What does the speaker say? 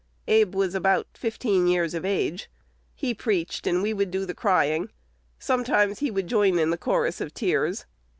Abe was about fifteen years of age. He preached, and we would do the crying. Sometimes he would join in the chorus of tears.